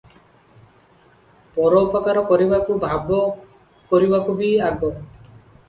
ପର ଉପକାର କରିବାକୁ, ଭାବ କରିବାକୁ ବି ଆଗ ।